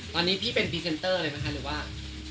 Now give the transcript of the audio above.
ตอนนี้พี่เป็นพรีเซนเตอร์เลยไหมคะหรือว่า